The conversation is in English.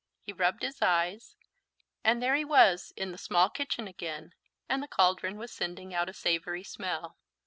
He rubbed his eyes, and there he was in the small kitchen again and the cauldron was sending out a savoury smell.